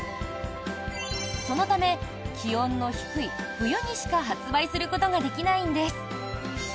そのため、気温の低い冬にしか発売することができないんです。